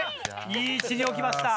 いい位置に置きました。